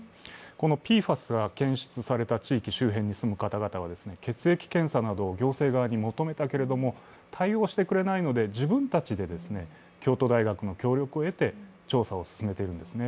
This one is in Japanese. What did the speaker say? このＰＦＡＳが検出された地域周辺に住む方々は、血液検査などを行政側に求めたけれども、対応してくれないので自分たちで京都大学の協力を得て調査を進めているんですね。